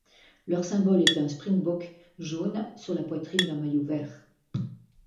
Leur symbole est un springbok jaune sur la poitrine d'un maillot vert.